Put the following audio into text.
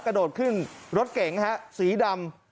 กระโดดขึ้นรถเก๋งฮะสีดำ